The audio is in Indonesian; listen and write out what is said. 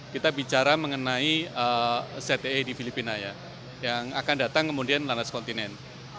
kita bicara mengenai cte di filipina ya yang akan datang kemudian landas kontinen